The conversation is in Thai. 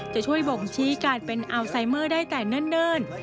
จะช่วยบ่งชี้การเป็นอัลไซเมอร์ได้แต่เนิ่น